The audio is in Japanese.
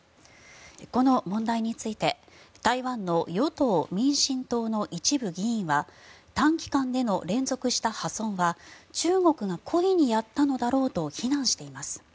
この問題について台湾の与党・民進党の一部議員は短期間での連続した破損は中国が故意にやったのだろうと非難しています。